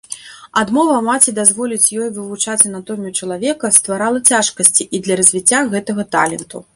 Адмова маці дазволіць ёй вывучаць анатомію чалавека стварала цяжкасці і для развіцця гэтага таленту.